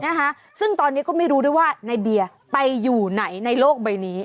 นะคะซึ่งตอนนี้ก็ไม่รู้ด้วยว่าในเดียไปอยู่ไหนในโลกใบนี้